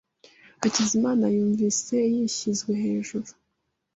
Hakizimana yumvise yishyizwe hejuru.